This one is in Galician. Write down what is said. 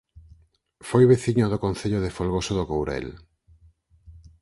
Foi veciño do Concello de Folgoso do Courel